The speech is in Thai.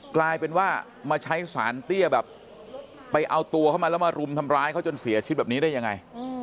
กลายเป็นว่ามาใช้สารเตี้ยแบบไปเอาตัวเข้ามาแล้วมารุมทำร้ายเขาจนเสียชีวิตแบบนี้ได้ยังไง